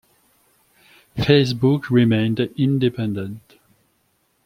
Facebook remained independent.